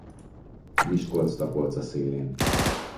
Miskolctapolca szélén.